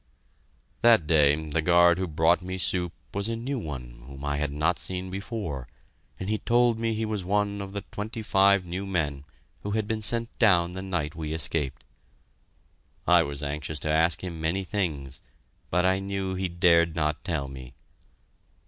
That day the guard who brought me soup was a new one whom I had not seen before, and he told me he was one of the twenty five new men who had been sent down the night we escaped. I was anxious to ask him many things, but I knew he dared not tell me.